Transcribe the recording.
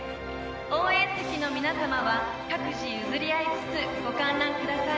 応援席の皆様は各自譲り合いつつご観覧ください